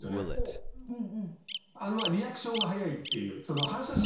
リアクションが早いっていう。